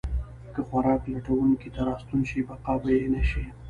که خوراک لټونکي ته راستون شي، بقا به یې نه شي.